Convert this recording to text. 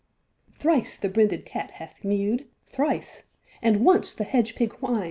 Thrice the brinded cat hath mew'd. SECOND WITCH. Thrice, and once the hedge pig whin'd.